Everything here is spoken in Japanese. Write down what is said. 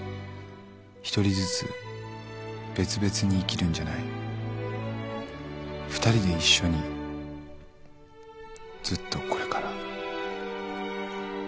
「１人ずつ別々に生きるんじゃない」「２人で一緒にずっとこれから」